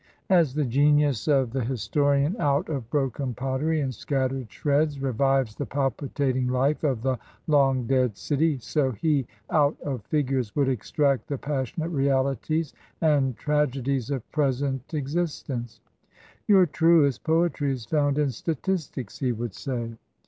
As the genius of the his torian out of broken pottery and scattered shreds revives the palpitating life of the long dead city, so he out of figures would extract the passionate realities and trage dies of present existence. " Your truest poetry is found in statistics," he would say.